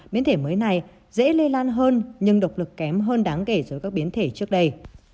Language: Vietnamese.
biến thể mới này dễ lây lan hơn nhưng độc lực kém hơn đáng kể với các biến thể trước đây